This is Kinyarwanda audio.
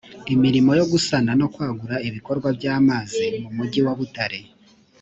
imirimo yo gusana no kwagura ibikorwa by amazi mu mujyi wa butare